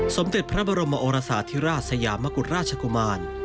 สมติภรรมโอรสาธิราชสยามกุฎราชกุมาร